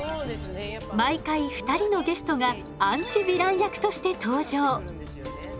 毎回２人のゲストがアンチヴィラン役として登場。